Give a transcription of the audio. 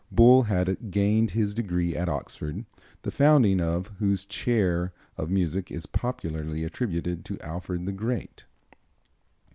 Bull had gained his degree at Oxford, the founding of whose chair of music is popularly attributed to Alfred the Great.